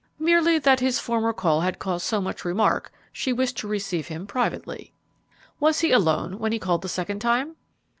"Merely that his former call had caused so much remark she wished to receive him privately." "Was he alone when he called the second time?"